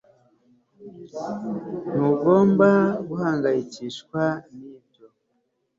Ntugomba guhangayikishwa nibyo OK